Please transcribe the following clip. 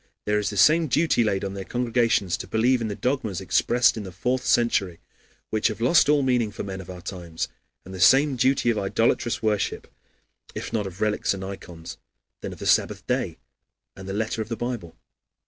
There is the same duty laid on their congregations to believe in the dogmas expressed in the fourth century, which have lost all meaning for men of our times, and the same duty of idolatrous worship, if not of relics and ikons, then of the Sabbath Day and the letter of the Bible.